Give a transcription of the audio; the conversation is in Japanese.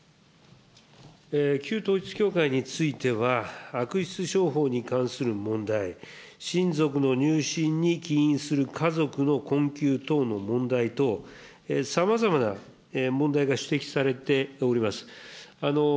旧統一教会については、悪質商法に関する問題、親族の入信に起因する家族の困窮等の問題等、さまざまな問題が指摘されております。